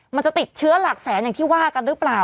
มันจะติดเชื้อหลักแสนอย่างที่ว่ากันหรือเปล่า